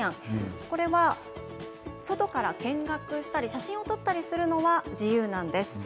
これは外から見学したり写真を撮ったりするのは自由なんです。